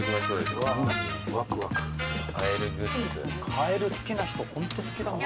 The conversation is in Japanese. カエル好きな人ホント好きだもんね。